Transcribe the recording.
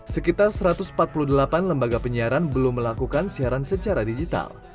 sekitar satu ratus empat puluh delapan lembaga penyiaran belum melakukan siaran secara digital